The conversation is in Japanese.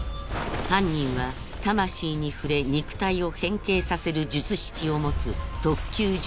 犯人は魂に触れ肉体を変形させる術式を持つ特級呪